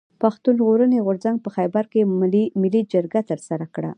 پښتون ژغورني غورځنګ په خېبر کښي ملي جرګه ترسره کړه.